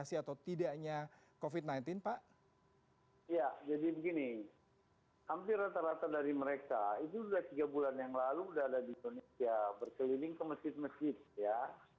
saya tidak terlalu hafal semua